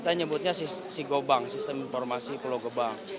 kita menyebutnya sigo bank sistem informasi pulau gebang